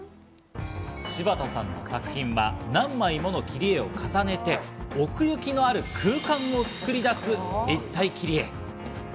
柴田さんの作品は何枚もの切り絵を重ねて、奥行きのある空間を作り出す立体切り絵。